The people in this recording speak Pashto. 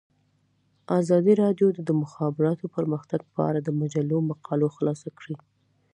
ازادي راډیو د د مخابراتو پرمختګ په اړه د مجلو مقالو خلاصه کړې.